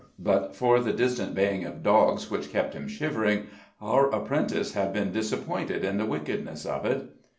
But for the distant baying of dogs which kept him shivering, our apprentice had been disappointed in the wickedness of it.